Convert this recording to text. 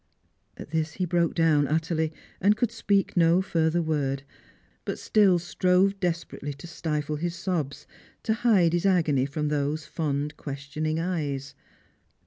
At this he broke down utterly, and could speak no furt ler word ; but still strove desperately to stifle his sobs, to hide hig agony from those fond questioning eyes.